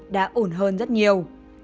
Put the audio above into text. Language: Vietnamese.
đã ổn hơn rất nhiều